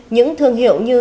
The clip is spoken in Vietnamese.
những thương hiệu như